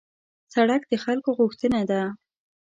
سړک د خلکو غوښتنه ده.